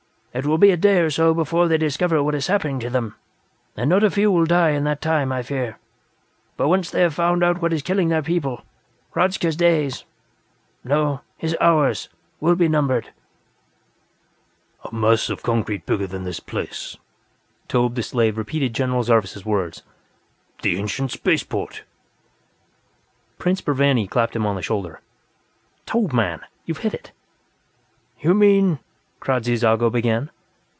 It will be a day or so before they discover what is happening to them, and not a few will die in that time, I fear; but once they have found out what is killing their people, Hradzka's days no, his hours will be numbered." "A mass of concrete bigger than this place," Tobbh the Slave repeated General Zarvas' words. "The Ancient Spaceport!" Prince Burvanny clapped him on the shoulder. "Tobbh, man! You've hit it!" "You mean...?" Kradzy Zago began.